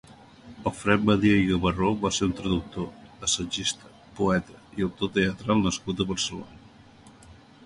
Alfred Badia i Gabarró va ser un traductor, assagista, poeta i autor teatral nascut a Barcelona.